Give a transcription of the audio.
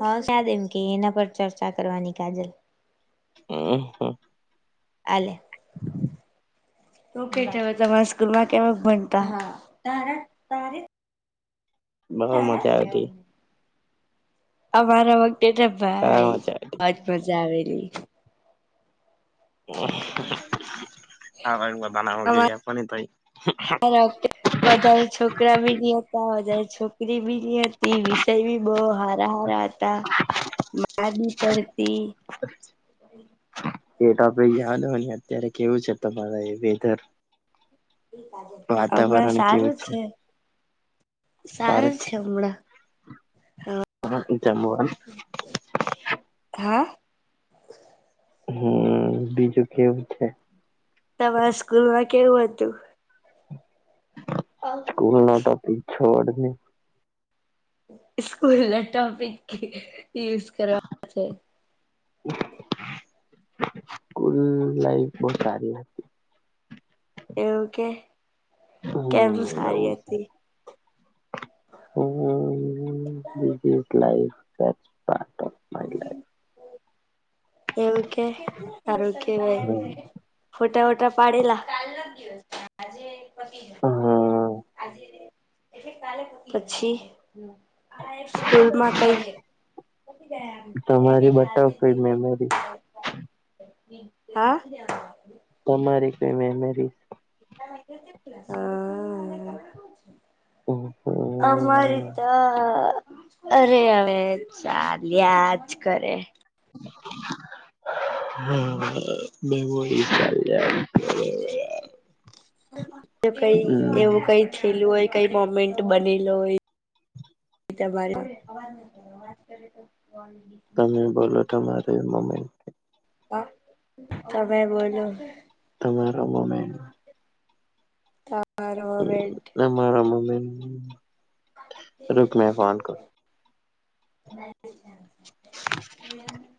હ સારી એમ કે એના પર ચર્ચા કરવાની કાજલ અહ હ આલે. ઓકે જવા તમારા સ્કૂલ માં કેવા ભનતા હ તારે તારે. બહુ મજા તારાથી આવતી. અમારા વખતે તો કા ભાઈ મજા આવતી. બોત મજા આવેરી. હા ભાઈ બધા ને આવડી ગ્યા [inaudible] પણ ઈ ભઈ હેલો કેટ વધારે છોકરા બી ગીવ [inaudible] અપ તા હોય જયારે છોકરી બી ની હતી વિષય બી બહ હા રારા હતા માર બી પડતી એ તો આપે યાદ હોય ને અત્યારે કેવું છે તમારા એ વેધર. ઠીક આજે. વાતાવરણી કેવી છે? તારે સારું છે હમણાં હ જમવાનું. [inaudible] હા. હમ્મ બીજું કેવું છે? તમારા સ્કૂલમાં કેવું હતું? અ હ ભૂલ ને તો પી છોડને. ઈસ્કૂલ ના ટોપિક યુઝ કરવા છે. સ્કૂલ લાઈફ બઉ સારી હ એવું કે કેમ હમ સારી હતી? હમ્મ બીજી એક લાઇફ બેસ્ બોરીંગ. એમ કે હારું કેવાય ફોટા વોટા પાડેલા કાલ ના દિવસ ત્યાં. આજે એ પતી જ અ હ અ આજે એટલે કાલે પતી પછી. સ્કૂલ માં કઈ પતી ગયા. તમારી બટાવ કોઈ મેમોરી. હા. તમારી ફેવ મેમેરી. હા હા. [unintelligible] અમારે તો. અરે હવે ચાલ્યા જ કરે. [unintelligible] મેમોરી ચાલયા જ કરે. એવું કઈ [unintelligible] છેલું હોય કઈ મોમેન્ટ બનેલો હોય તમારે વાત કરી તો બંધી [unintelligible] તમે બોલો તમારી મોમેન્ટ. આ તમે બોલો. તમારા મોમેન્ટ તારમેન્ટ [inaudible] મમી રક મે ફન કર [unintelligible] ન [inaudible] [inaudible]